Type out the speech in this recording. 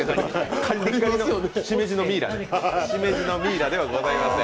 シメジのミイラではございません。